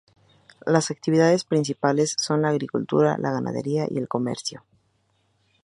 Las actividades principales son la agricultura, la ganadería y el comercio.